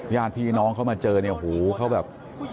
ญาติพี่น้องเขามาเจอเนี่ยหูเขาแบบ